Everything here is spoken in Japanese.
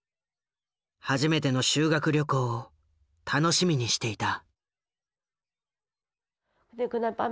初めての修学旅行を楽しみにしていた。